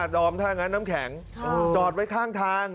ดอมถ้างั้นน้ำแข็งจอดไว้ข้างทาง